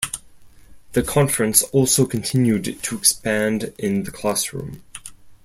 The conference also continued to expand in the classroom.